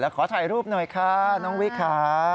ขอถ่ายรูปหน่อยค่ะน้องวิค่ะ